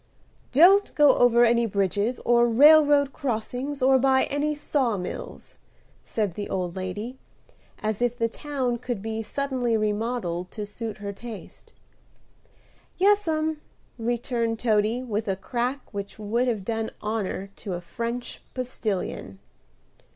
"Don't go over any bridges or railroad crossings or by any saw mills," said the old lady, as if the town could be suddenly remodelled to suit her taste. "Yes'm," returned Toady, with a crack which would have done honor to a French postilion.